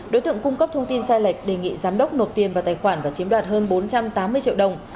đối tượng cung cấp thông tin sai lệch đề nghị giám đốc nộp tiền vào tài khoản và chiếm đoạt hơn bốn trăm tám mươi triệu đồng